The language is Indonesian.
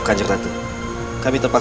dengan kehendak yang baik